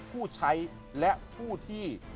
ผู้ใช้และผู้ที่